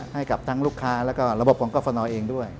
ให้กับทั้งลูกค้าแล้วก็ระบบของกรฟนเองด้วย